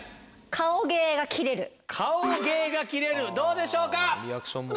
顔芸がキレるどうでしょうか？